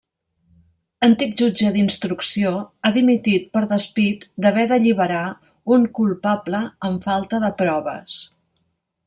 Antic jutge d'instrucció, ha dimitit per despit d'haver d'alliberar un culpable amb falta de proves.